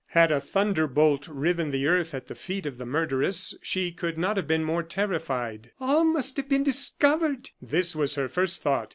Had a thunder bolt riven the earth at the feet of the murderess, she could not have been more terrified. "All must have been discovered!" this was her first thought.